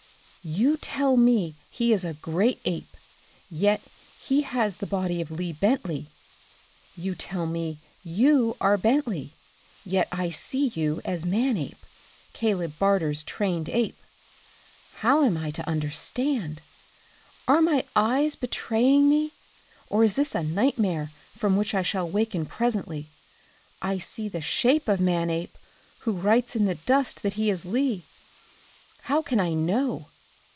"You tell me he is a great ape, yet he has the body of Lee Bentley. You tell me you are Bentley, yet I see you as Manape. Caleb Barter's trained ape. How am I to understand? Are my eyes betraying me, or is this a nightmare from which I shall waken presently? I see the shape of Manape, who writes in the dust that he is Lee. How can I know?